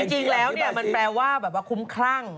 จริงแล้วมันแปลว่าคุ้มคร่าง